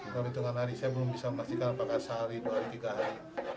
dalam hitungan hari saya belum bisa memastikan apakah sehari dua tiga hari